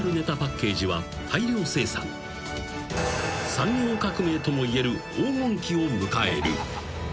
［産業革命ともいえる黄金期を迎える］